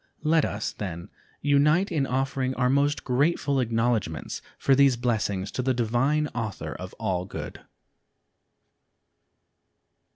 Let us, then, unite in offering our most grateful acknowledgments for these blessings to the Divine Author of All Good.